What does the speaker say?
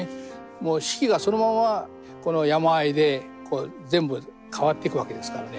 もう四季がそのままこの山あいで全部変わっていくわけですからね。